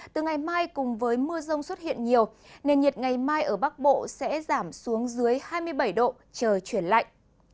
từ ngày mai cùng với mưa rông xuất hiện nhiều nền nhiệt ngày mai ở bắc bộ sẽ giảm xuống dưới hai mươi bảy độ trời chuyển lạnh